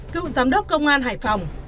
cựu giám đốc công an hải phòng